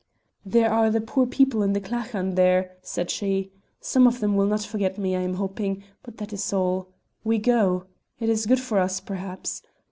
"There are the poor people in the clachan there," said she; "some of them will not forget me I am hoping, but that is all. We go. It is good for us, perhaps.